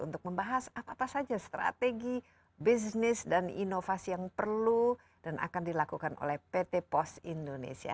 untuk membahas apa apa saja strategi bisnis dan inovasi yang perlu dan akan dilakukan oleh pt pos indonesia